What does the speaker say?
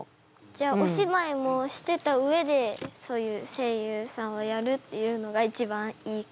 じゃあお芝居もしてた上でそういう声優さんをやるっていうのが一番いい？